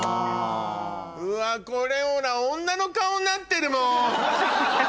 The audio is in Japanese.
うわこれほら女の顔になってるもん！